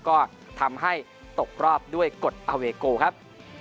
ก็ทำให้ตกรอบด้วยกฎอาเวโกครับ